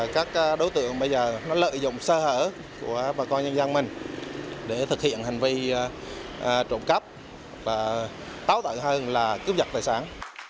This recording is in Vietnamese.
các đối tượng bây giờ nó lợi dụng sơ hở của bà con nhân dân mình để thực hiện hành vi trộm cắp và táo tợn hơn là cướp dật tài sản